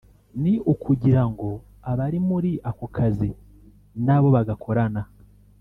ni ukugira ngo abari muri ako kazi n’abo bagakorana